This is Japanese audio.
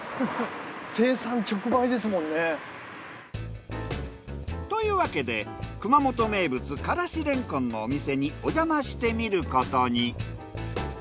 生産直売ですもんね。というわけで熊本名物からし蓮根のお店におじゃましてみることに。